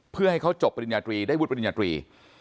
เพื่อให้เขาจบปริญญาตรีได้วุฒิปริญญาตรี